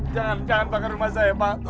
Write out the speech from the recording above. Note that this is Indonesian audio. jangan lihat bangat rumah saya pak